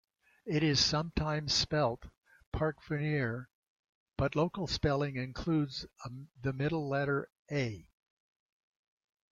It is sometimes spelt Parkvonear, but local spelling includes the middle letter 'a'.